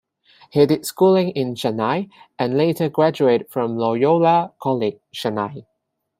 He did schooling in Chennai and later graduated from Loyola College, Chennai.